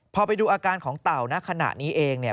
พอไปดูอาการของเต่านะขณะนี้เองเนี่ย